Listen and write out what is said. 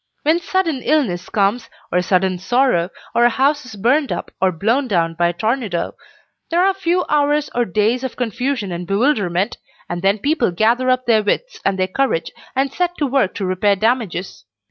When sudden illness comes, or sudden sorrow, or a house is burned up, or blown down by a tornado, there are a few hours or days of confusion and bewilderment, and then people gather up their wits and their courage and set to work to repair damages.